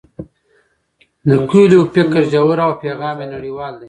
د کویلیو فکر ژور او پیغام یې نړیوال دی.